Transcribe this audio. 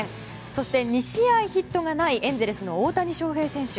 そして２試合ヒットがないエンゼルスの大谷翔平選手。